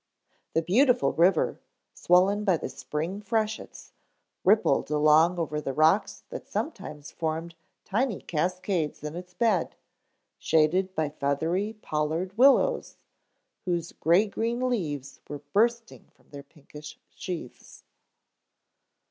The beautiful river, swollen by the spring freshets, rippled along over the rocks that sometimes formed tiny cascades in its bed, shaded by feathery pollard willows whose gray green leaves were bursting from their pinkish sheaths.